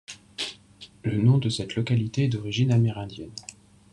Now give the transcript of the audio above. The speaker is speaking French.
Le nom de cette localité est d’origine amérindienne.